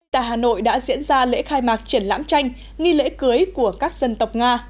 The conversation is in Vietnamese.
tại hà nội đã diễn ra lễ khai mạc triển lãm tranh nghi lễ cưới của các dân tộc nga